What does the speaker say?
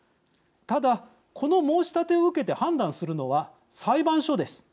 ただ、この申し立てを受けて判断するのは裁判所です。